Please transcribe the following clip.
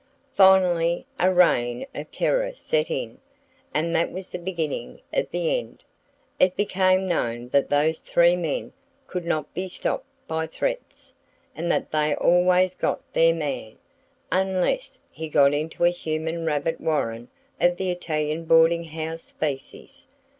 Finally, a reign of terror set in; and that was the beginning of the end. It became known that those three men could not be stopped by threats, and that they always got their man—unless he got into a human rabbit warren of the Italian boarding house species.